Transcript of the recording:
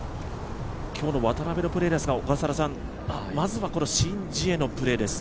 今日の渡邉のプレーですがまずはこのシン・ジエのプレーです。